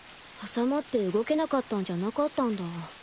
挟まって動けなかったんじゃなかったんだ。